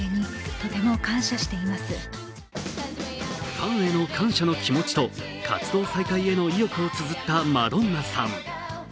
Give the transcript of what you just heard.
ファンヘの感謝の気持ちと活動再開への意欲をつづったマドンナさん。